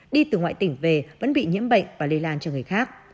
đi từ ngoại tỉnh về vẫn bị nhiễm bệnh và lây lan cho người khác